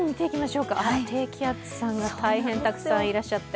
低気圧さんが大変たくさんいらっしゃって。